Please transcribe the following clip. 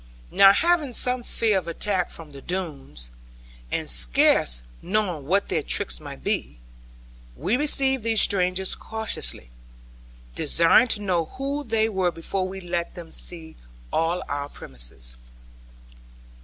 Now having some fear of attack from the Doones, and scarce knowing what their tricks might be, we received these strangers cautiously, desiring to know who they were before we let them see all our premises.